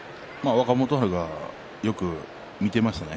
若元春がよく見ていましたね。